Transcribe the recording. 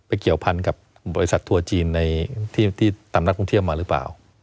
เกี่ยวพันกับบริษัททัวร์จีนที่ตามนักท่องเที่ยวมาหรือเปล่า